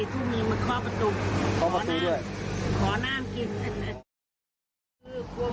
๓๔ทุ่มนี้มันขอประตุของนานของอนาฬ์มากกิน